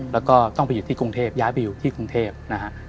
แล้วก็ต้องไปอยู่ที่กรุงเทพย้ายไปอยู่ที่กรุงเทพนะฮะ